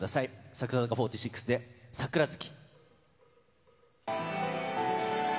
櫻坂４６で桜月。